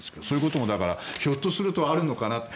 そういうこともひょっとするとあるのかな。